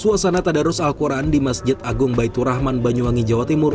suasana tadarus al quran di masjid agung baitur rahman banyuwangi jawa timur